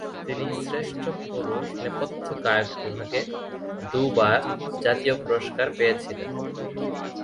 তিনি শ্রেষ্ঠ পুরুষ নেপথ্য গায়ক বিভাগে দু-বার জাতীয় পুরস্কার পেয়েছিলেন।